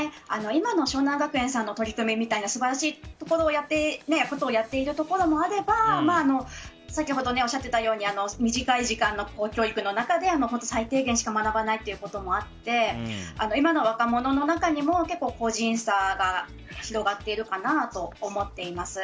今の湘南学園さんの取り組みは素晴らしいことをやっているところもあれば先ほどおっしゃっていたように短い時間の学校の性教育の中で最低限しか学ばないこともあって今の若者の中にも個人差が広がっているかなと思っています。